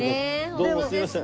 どうもすいません。